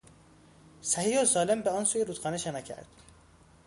صحیح و سالم به آن سوی رودخانه شنا کرد.